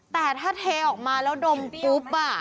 แต่ถ้าเทออกมาแล้วดมปุ๊บ